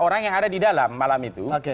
orang yang ada di dalam malam itu